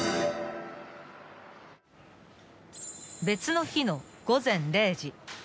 ［別の日の午前０時］